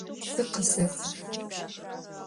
Псы къысэт!